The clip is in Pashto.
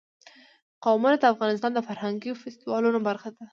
قومونه د افغانستان د فرهنګي فستیوالونو برخه ده.